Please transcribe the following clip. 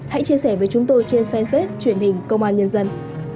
hãy chia sẻ với chúng tôi trên fanpage truyền hình công an nhân dân